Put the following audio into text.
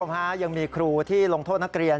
คุณผู้ชมฮะยังมีครูที่ลงโทษนักเรียน